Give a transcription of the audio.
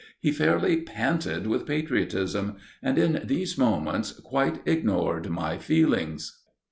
He fairly panted with patriotism, and in these moments, quite ignored my feelings.